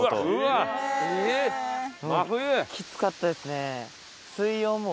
きつかったですね。